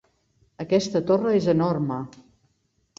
Aquesta torre és enorme!